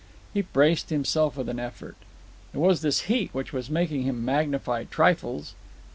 He braced himself with an effort. It was this heat which was making him magnify trifles.